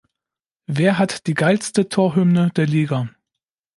Wer hat die geilste Torhymne der Liga?